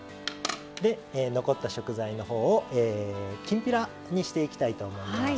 残った食材のほうをきんぴらにしていきたいと思います。